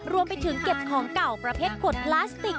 รวมไปถึงเก็บของเก่าประเภทขวดพลาสติก